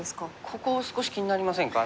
ここ少し気になりませんか？